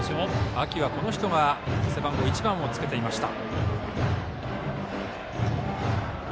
秋はこの人が背番号１番をつけていました。